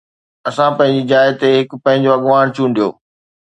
اسان پنهنجي جاءِ تي هڪ کي پنهنجو اڳواڻ چونڊيو.